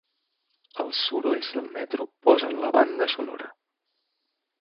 Els sorolls del metro posen la banda sonora.